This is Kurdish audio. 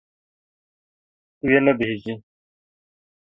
Tu yê nebihîzî.